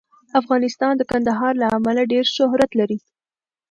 افغانستان د کندهار له امله ډېر شهرت لري.